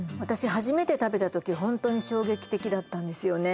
初めて食べたときホントに衝撃的だったんですよね